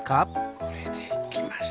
これでいきます。